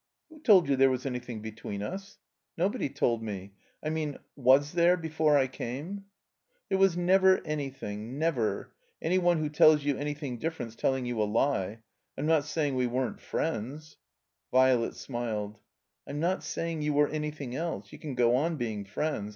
"Who told you there was anjrthing between us?" "Nobody told me. I mean — was there — ^before I came?" "There was never anjrthing — ^never. Any one who tells you anything dMerent's telling you a lie. I'm not saying we weren't friends —" Violet smiled. "I'm not saying you were anjrthing else. You can go on being friends.